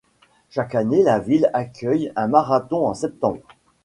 Chaque année la ville accueille un marathon en septembre.